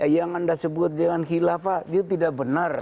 yang anda sebut dengan khilafah itu tidak benar